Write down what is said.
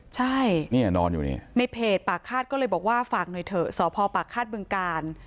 ใช่ในเพจปากฆาตก็เลยบอกว่าฝากหน่อยเถอะสพปากฆาตเบื้องการ